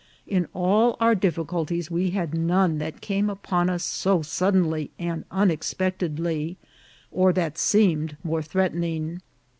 In all our difficulties we had none that came upon us so suddenly and unexpectedly, or that seemed more threatening.